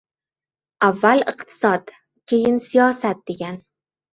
Avval iqtisod, keyin siyosat degan.